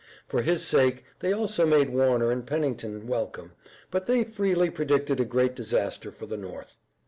For his sake they also made Warner and Pennington welcome, but they freely predicted a great disaster for the North.